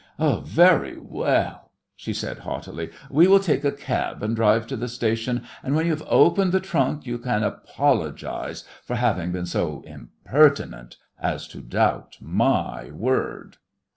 "Very well," she said haughtily, "we will take a cab and drive to the station, and when you have opened the trunk you can apologize for having been so impertinent as to doubt my word."